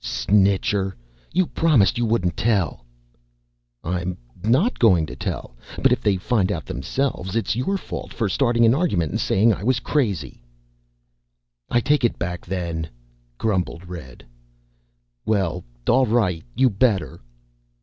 "Snitcher! You promised you wouldn't tell." "I'm not going to tell. But if they find out themselves, it's your fault, for starting an argument and saying I was crazy." "I take it back, then," grumbled Red. "Well, all right. You better."